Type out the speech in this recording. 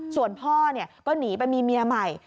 ส่วนพ่อก็หนีไปมีเมียใหม่